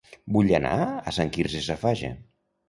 Vull anar a Sant Quirze Safaja